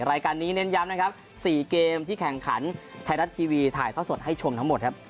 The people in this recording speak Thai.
รายการนี้เน้นย้ำนะครับ๔เกมที่แข่งขันไทยรัฐทีวีถ่ายท่อสดให้ชมทั้งหมดครับ